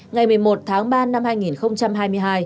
ngày một mươi một tháng ba năm hai nghìn hai mươi hai